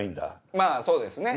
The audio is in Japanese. まぁそうですね。